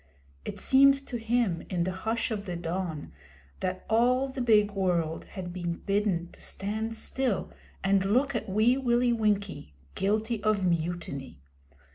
It seemed to him in the hush of the dawn that all the big world had been bidden to stand still and look at Wee Willie Winkie guilty of mutiny.